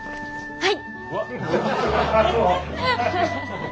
はい。